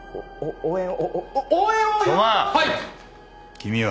君は？